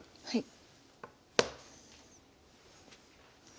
はい。